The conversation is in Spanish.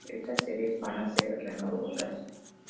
Estas series van a ser renovadas.